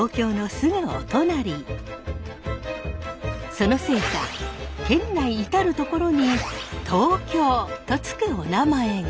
そのせいか県内至る所に東京と付くおなまえが。